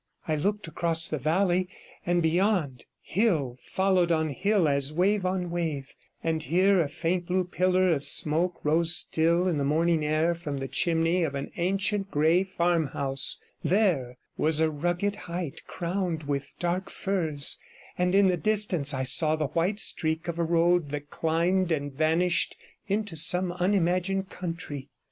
I looked across the valley, and beyond, hill followed on hill as wave on wave, and here a faint blue pillar of smoke rose still in the morning air from the chimney of an ancient grey farmhouse, there was a rugged height crowned with dark firs, and in the distance I saw the white streak of a road that climbed and vanished into some unimagined country.